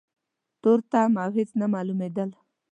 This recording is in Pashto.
تورتم و هيڅ نه مالومېدل.